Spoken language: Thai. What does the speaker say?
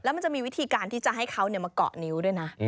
มันจะมีวิธีการที่จะให้เขามาเกาะนิ้วด้วยนะ